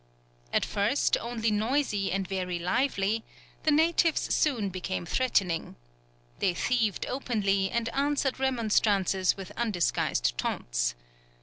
At first only noisy and very lively, the natives soon became threatening. They thieved openly, and answered remonstrances with undisguised taunts.